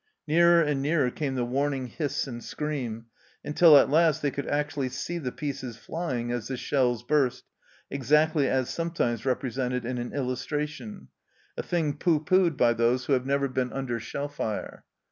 Nearer and nearer came the warn ing hiss and scream, until at last they could actu ally see the pieces flying as the shells burst, exactly as sometimes represented in an illustration, a thing pooh poohed by those who have never been under ON THE ROAD 73 shell fire.